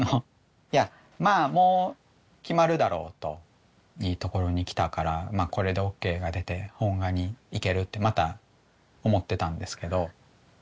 いやまあもう決まるだろうといいところにきたからこれでＯＫが出て本画にいけるってまた思ってたんですけど。